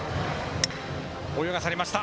泳がされました。